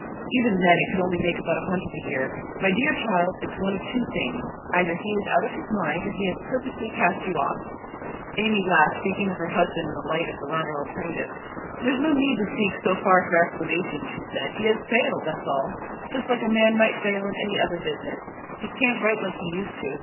'Even then it could only make about a hundred a year. My dear child, it's one of two things: either he is out of his mind, or he has purposely cast you off.' Amy laughed, thinking of her husband in the light of the latter alternative. 'There's no need to seek so far for explanations,' she said. 'He has failed, that's all; just like a man might fail in any other business. He can't write like he used to.